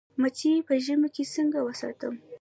مچۍ په ژمي کې څنګه وساتم؟